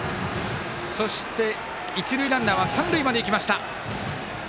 そして、一塁ランナーは三塁まで行きました。